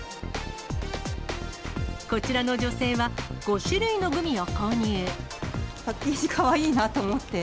こちらの女性は、パッケージかわいいなと思って。